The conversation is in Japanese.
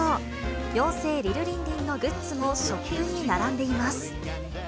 妖精、リルリンリンのグッズもショップに並んでいます。